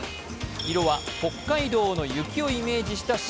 色は北海道の雪をイメージした白。